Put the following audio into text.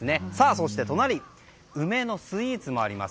そして隣梅のスイーツもあります。